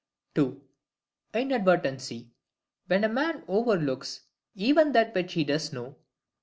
(ii) INADVERTENCY: When a man overlooks even that which he does know.